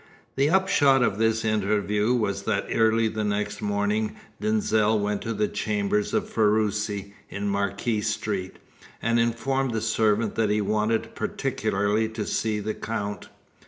The upshot of this interview was that early the next morning Denzil went to the chambers of Ferruci, in Marquis Street, and informed the servant that he wanted particularly to see the Count.